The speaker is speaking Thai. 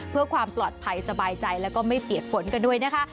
เพื่อความปลอดภัยสบายใจแล้วก็ไม่เปียกฝนกันด้วยนะคะ